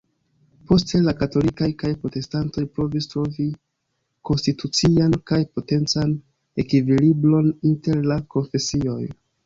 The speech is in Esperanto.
Poste la katolikaj kaj protestantoj provis trovi konstitucian kaj potencan ekvilibron inter la konfesioj.